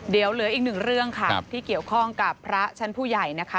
เดี๋ยวเหลืออีกหนึ่งเรื่องค่ะที่เกี่ยวข้องกับพระชั้นผู้ใหญ่นะคะ